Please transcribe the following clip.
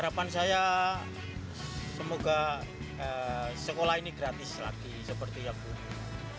harapan saya semoga sekolah ini gratis lagi seperti yang dulu